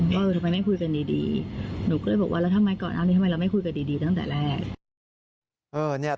ว่าทำไมไม่คุยกันดีหนูก็เลยบอกว่าแล้วทำไมก่อนหน้านี้ทำไมเราไม่คุยกันดีตั้งแต่แรก